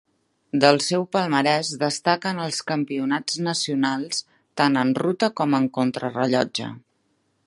Del seu palmarès destaquen els campionats nacionals tant en ruta com en contrarellotge.